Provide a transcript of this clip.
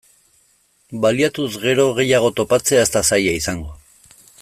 Bilatuz gero gehiago topatzea ez da zaila izango.